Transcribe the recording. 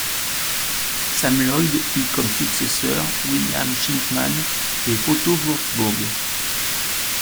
Sam Loyd eut comme successeurs William Shinkman et Otto Wurzburg.